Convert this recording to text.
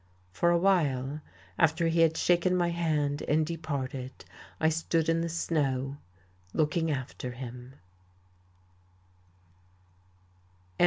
For a while, after he had shaken my hand and departed, I stood in the snow, looking after him....